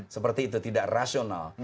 seperti itu tidak rasional